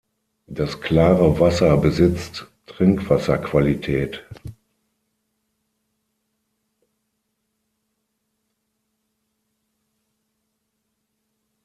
Das klare Wasser besitzt Trinkwasserqualität.